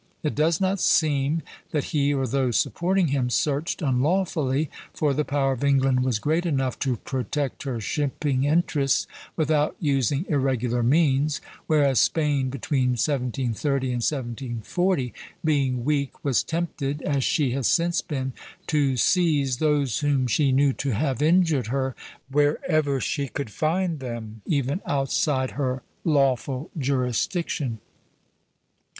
It does not seem that he or those supporting him searched unlawfully, for the power of England was great enough to protect her shipping interests without using irregular means; whereas Spain between 1730 and 1740, being weak, was tempted, as she has since been, to seize those whom she knew to have injured her wherever she could find them, even outside her lawful jurisdiction.